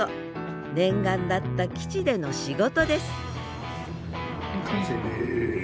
念願だった基地での仕事です完成です。